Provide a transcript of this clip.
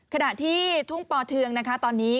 ขณะที่ทุ่งปอเทืองนะคะตอนนี้